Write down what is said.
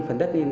phần đất lên